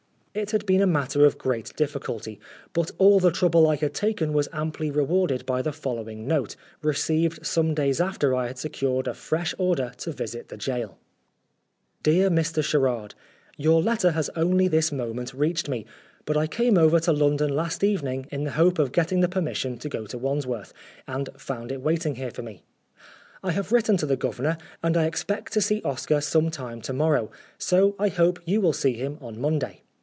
It had been a matter of great difficulty, but all the trouble I had taken was amply rewarded by the following note, received some days after I had secured a fresh order to visit the gaol. DEAR MR. SHERARD, Your letter has only this moment reached me, but I came 2CO Oscar Wilde over to London last evening in the hope of getting the permission to go to Wandsworth, and found it waiting here for me. I have written to the Governor, and I expect to see Oscar some time to morrow, so I hope you will see him on Monday.